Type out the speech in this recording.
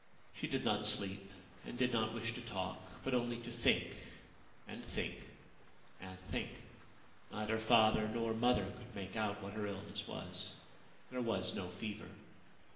She did not sleep, and did not wish to talk, but only to think, and think, and think. Neither father nor mother could make out what her illness was. There was no fever.